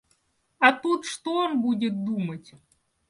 А тут что он будет думать?